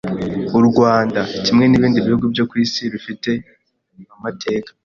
U Rwanda kimwe n’ibindi bihugu byo ku isi rufi te amateka